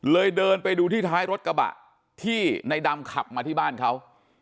เดินไปดูที่ท้ายรถกระบะที่ในดำขับมาที่บ้านเขา